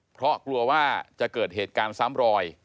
เพราะกลัวว่าจะเกิดเหตุการณ์ซ้ำรอย